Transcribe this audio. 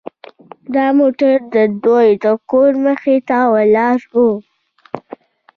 دا موټر د دوی د کور مخې ته روان و